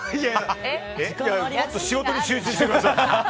仕事に集中してください。